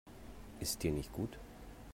Ist dir nicht gut?